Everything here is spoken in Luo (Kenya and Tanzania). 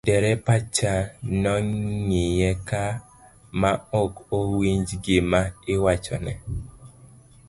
dereba cha nong'iye ka ma ok owinj gima iwachone